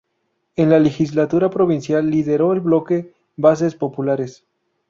En la legislatura provincial lideró el bloque Bases Populares.